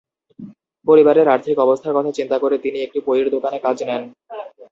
পরিবারের আর্থিক অবস্থার কথা চিন্তা করে তিনি একটি বইয়ের দোকানে কাজ নেন।